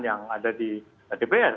yang ada di dpr